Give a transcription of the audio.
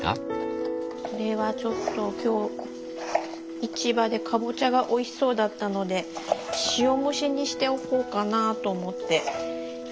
これはちょっと今日市場でかぼちゃがおいしそうだったので塩蒸しにしておこうかなと思って。